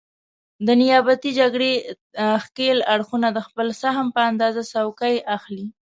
د نیابتي جګړې ښکېل اړخونه د خپل سهم په اندازه څوکۍ اخلي.